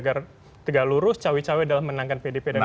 agar tidak lurus cawe cawe dalam menangkan pdp dan ganjar